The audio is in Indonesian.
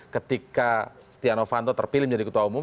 ketika stiano fanto terpilih menjadi ketua umum